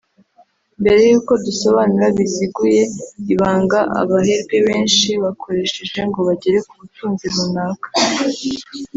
‘mbere y’ uko dusobanura biziguye ibanga abaherwe benshi bakoresheje ngo bagere ku butunzi runaka